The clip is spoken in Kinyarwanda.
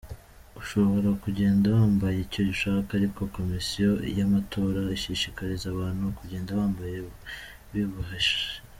Ushobora kugenda wambaye icyo ushaka ariko Komisiyo y’amatora ishishikariza abantu kugenda bambaye bibubahisha.